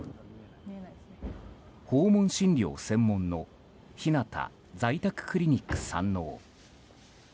訪問診療専門のひなた在宅クリニック山王。